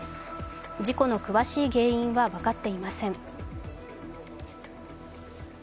事故の詳しい原因は分かっていません。